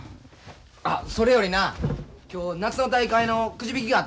あそれよりな今日夏の大会のくじ引きがあったんや。